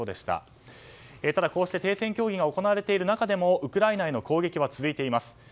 ただ、こうして停戦協議が行われている中でもウクライナへの攻撃は続いています。